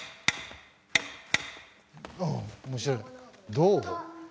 どう？